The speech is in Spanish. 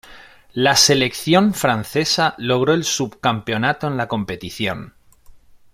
La selección francesa logró el subcampeonato en la competición.